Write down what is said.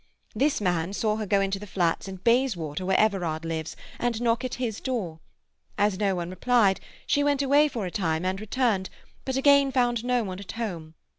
This man saw her go to the flats in Bayswater where Everard lives and knock at his door. As no one replied, she went away for a time and returned, but again found no one at home.